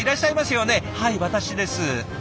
はい私です。